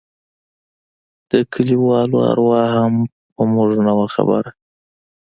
د کليوالو اروا هم په موږ نه وه خبره.